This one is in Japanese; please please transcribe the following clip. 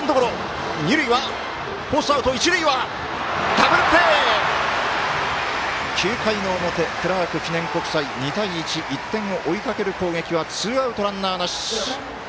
ダブルプレー！９回の表、クラーク記念国際２対１、１点を追いかける攻撃はツーアウト、ランナーなし。